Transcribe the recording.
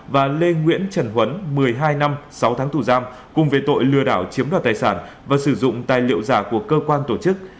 và lê nguyễn trần huấn một mươi hai năm sáu tháng tù giam cùng về tội lừa đảo chiếm đoạt tài sản và sử dụng tài liệu giả của cơ quan tổ chức